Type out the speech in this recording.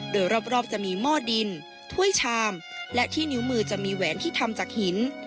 โดยรอบจะมีหม้อดินถ้วยชามและที่นิ้วมือจะมีแหวนที่ทำจากหิน